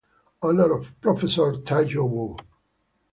Honor of Professor Ta-You Wu.